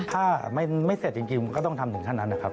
ถ้าไม่เสร็จจริงก็ต้องทำถึงขั้นนั้นนะครับ